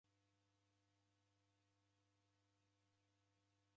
Naw'enyuka iri nguw'o